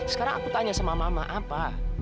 sekarang aku tanya sama mama apa